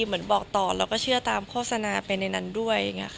เหมือนบอกต่อแล้วก็เชื่อตามโฆษณาไปในนั้นด้วยอย่างนี้ค่ะ